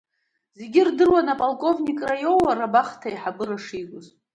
Зегьы ирдыруан аполковникра иоур, абахҭа аиҳабра шигоз.